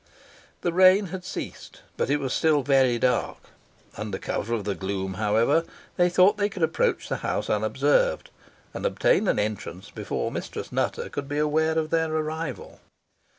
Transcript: The rain had ceased, but it was still very dark. Under cover of the gloom, however, they thought they could approach the house unobserved, and obtain an entrance before Mistress Nutter could be aware of their arrival.